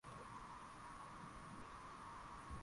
maji ya Itacara Ilichukua sisi wote wa siku